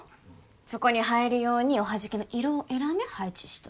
そこに映えるようにおはじきの色を選んで配置しとる